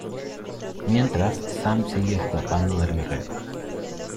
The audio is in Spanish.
Mientras, Sam sigue escapando del guerrero.